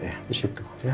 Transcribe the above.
ya di situ ya